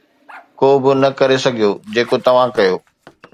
ڪو به نه ڪري سگهيو جيڪو توهان ڪيو